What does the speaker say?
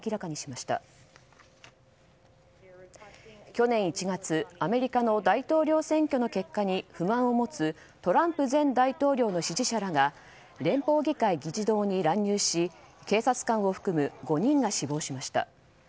去年１月アメリカの大統領選挙の結果に不満を持つトランプ前大統領の支持者らが連邦議会議事堂に乱入し警察官を含む５人が死亡しました。